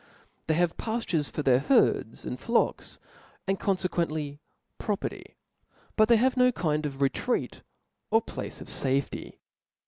They have pafture for their herds and flocks, and confe quently property •, but they have no kind of retreat,, or place of fafety.